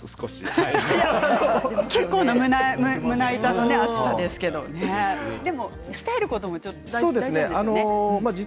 結構な胸板の厚さですけれども鍛えることも大事ですよね。